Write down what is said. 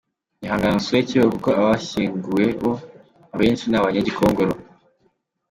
Ihangane usure Kibeho kuko abayishyinguweho abenshi ni abanyagikongoro.